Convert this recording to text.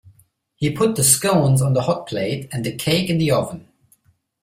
He put the scones on the hotplate, and the cake in the oven